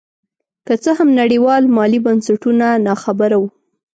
که څه هم نړیوال مالي بنسټونه نا خبره وو.